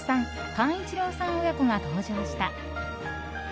寛一郎さん親子が登場した。